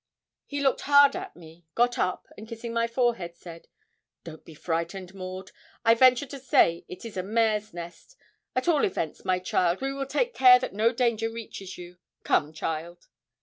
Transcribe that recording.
He looked hard at me, got up, and kissing my forehead, said 'Don't be frightened, Maud; I venture to say it is a mare's nest; at all events, my child, we will take care that no danger reaches you; come, child.'